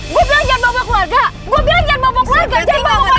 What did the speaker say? gua bilang jangan bobok keluarga